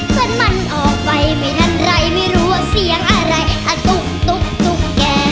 เพื่อนมันออกไปไม่ทันไรไม่รู้ว่าเสียงอะไรอตุ๊ตุ๊กตุ๊กแก่